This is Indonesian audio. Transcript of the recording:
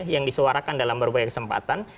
yang disuarakan dalam berbagai kesempatan